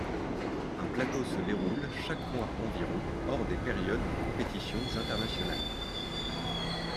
Un plateau se déroule chaque mois environ hors des périodes de compétitions internationales.